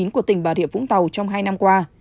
của tỉnh bà rịa vũng tàu trong hai năm qua